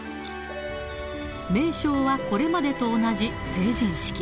名称はこれまでと同じ、成人式。